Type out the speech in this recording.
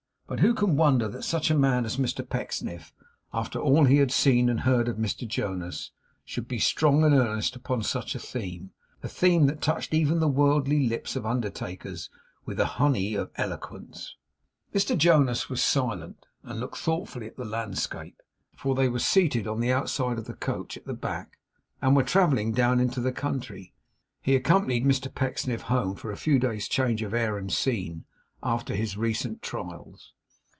But who can wonder that such a man as Mr Pecksniff, after all he had seen and heard of Mr Jonas, should be strong and earnest upon such a theme; a theme that touched even the worldly lips of undertakers with the honey of eloquence! Mr Jonas was silent, and looked thoughtfully at the landscape. For they were seated on the outside of the coach, at the back, and were travelling down into the country. He accompanied Mr Pecksniff home for a few days' change of air and scene after his recent trials.